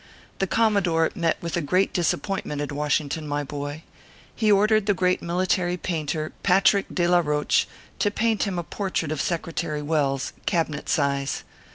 The Commodore met with a great disappointment at Washington, my boy. He ordered the great military painter, Patrick de la Roach, to paint him a portrait of Secretary Welles, Cabinet size.